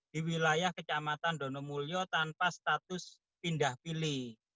di wilayah kecamatan donomulyo tanpa status pindah pilih